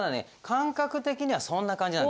感覚的にはそんな感じなんです。